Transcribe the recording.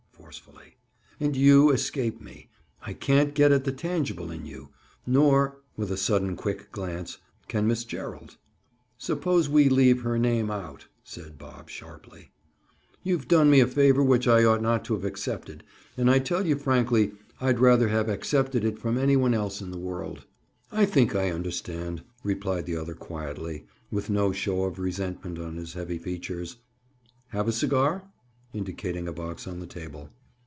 Forcefully. "And you escape me. I can't get at the tangible in you. Nor"—with a sudden quick glance—"can Miss Gerald—" "Suppose we leave her name out," said Bob sharply. "You've done me a favor which I ought not to have accepted. And I tell you frankly I'd rather have accepted it from any one else in the world." "I think I understand," replied the other quietly, with no show of resentment on his heavy features. "Have a cigar?" Indicating a box on the table.